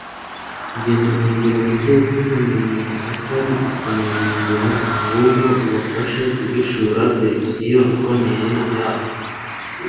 njye mbona inzira nziza yo gukunda umuntu atari ukumuhindura, ahubwo, ubafashe guhishura verisiyo ikomeye yabo